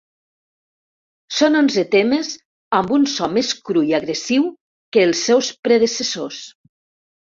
Són onze temes amb un so més cru i agressiu que els seus predecessors.